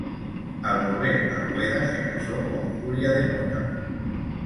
Al volver a Rueda se casó con Julia de Mota.